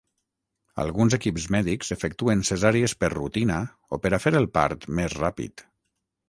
Alguns equips mèdics efectuen cesàries per rutina o per a fer el part més ràpid.